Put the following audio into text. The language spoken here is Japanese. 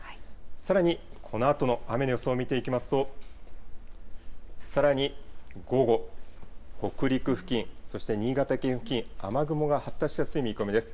さらにこのあとの雨の予想を見ていきますと、さらに午後、北陸付近、そして新潟県付近、雨雲が発達しやすい見込みです。